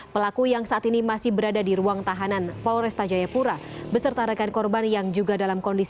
pelaku yang saat ini masih berada di ruang tahanan polresta jayapura beserta rekan korban yang juga dalam kondisi